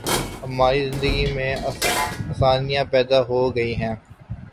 ہماری زندگی میں آسانیاں پیدا ہو گئی ہیں۔